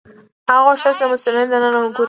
هغه غوښتل چې د مجسمې دننه وګوري.